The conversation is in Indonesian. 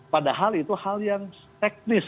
padahal itu hal yang teknis